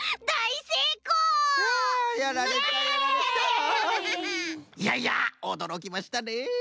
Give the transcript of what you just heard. いやいやおどろきましたねえ！